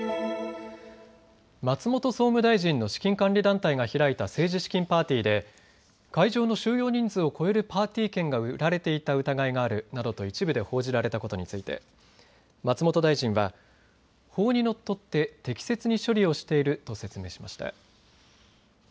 松本総務大臣の資金管理団体が開いた政治資金パーティーで会場の収容人数を超えるパーティー券が売られていた疑いがあるなどと一部で報じられたことについて松本大臣は法にのっとって適切に処理をしていると説明しました。